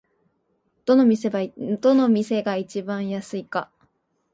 どの店が一番安いか